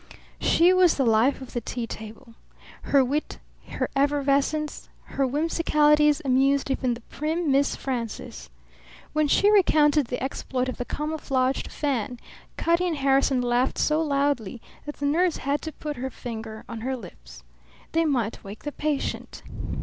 She was the life of the tea table. Her wit, her effervescence, her whimsicalities amused even the prim Miss Frances. When she recounted the exploit of the camouflaged fan, Cutty and Harrison laughed so loudly that the nurse had to put her finger on her lips. They might wake the patient.